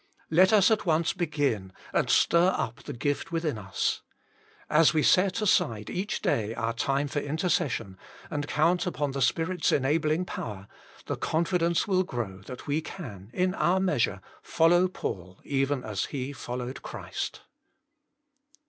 Let us at once begin and stir up the gift within us. As we set aside each day our time for intercession, and count upon the Spirit s enabling power, the confidence will grow that we can, in our measure, follow Paul even as he followed Christ.